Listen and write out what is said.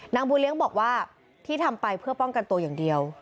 บูเลี้ยงบอกว่าที่ทำไปเพื่อป้องกันตัวอย่างเดียว